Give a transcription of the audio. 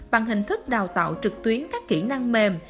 bằng hình thức đào tạo trực tuyến các kỹ năng mềm